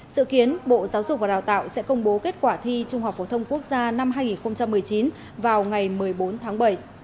sự kiến bộ giáo dục và đào tạo sẽ công bố kết quả thi trung học phổ thông quốc gia năm hai nghìn một mươi chín vào ngày một mươi bốn tháng bảy